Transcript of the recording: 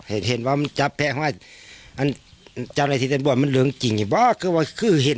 เห็นเห็นว่ามันจับแพะไหว้อันจำในที่เต็มบ่อนมันเหลืองจริงไงบ้า